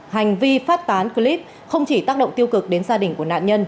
hành vi phát tán clip không chỉ tác động tiêu cực đến gia đình của nạn nhân